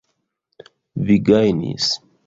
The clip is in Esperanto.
Vi gajnis!